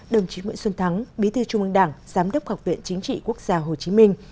đồng chí nguyễn xuân thắng bí thư trung ương đảng giám đốc học viện chính trị quốc gia hồ chí minh